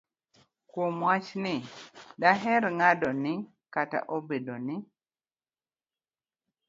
Kuom wachni, daher ng'ado ni kata obedo ni